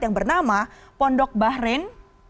yang bernama pondok bahrein